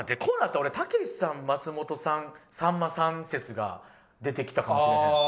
こうなったら俺たけしさん松本さんさんまさん説が出てきたかもしれへん。